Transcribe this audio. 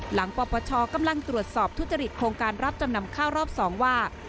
ปปชกำลังตรวจสอบทุจริตโครงการรับจำนำข้าวรอบ๒ว่า